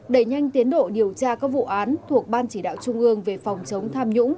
đẩy nhanh tiến độ điều tra các vụ án thuộc ban chỉ đạo trung ương về phòng chống tham nhũng